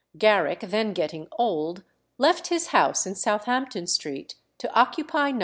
Garrick, then getting old, left his house in Southampton Street to occupy No.